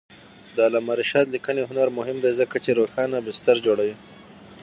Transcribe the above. د علامه رشاد لیکنی هنر مهم دی ځکه چې روښانه بستر جوړوي.